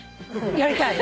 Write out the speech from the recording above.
やりたい？